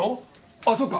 あっそうか！